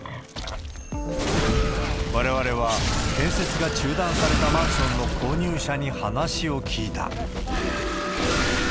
われわれは、建設が中断されたマンションの購入者に話を聞いた。